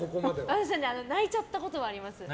私は泣いちゃったことはあります。